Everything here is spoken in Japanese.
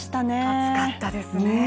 暑かったですね。